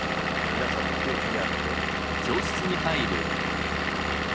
皆さんも記憶にあるのでは？